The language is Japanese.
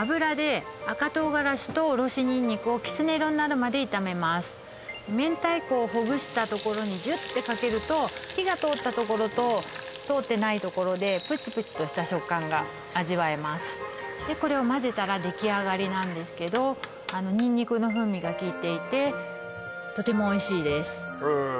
油で赤唐辛子とおろしニンニクをきつね色になるまで炒めます明太子をほぐしたところにジュッてかけると火がとおったところととおってないところでプチプチとした食感が味わえますでこれをまぜたらできあがりなんですけどニンニクの風味がきいていてとてもおいしいですへえ